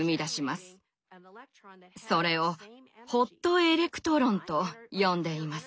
それを「ホットエレクトロン」と呼んでいます。